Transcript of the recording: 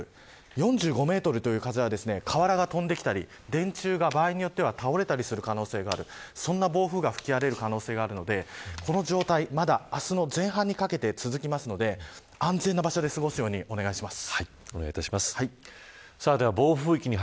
４５メートルという風は瓦が飛んできたり、電柱が場合によっては倒れたりする可能性があるそんな暴風が吹き荒れる可能性があるのでこの状態、まだ明日の前半にかけて続きますので安全な場所で過ごすようにお願いします。